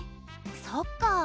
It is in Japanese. そっかあ。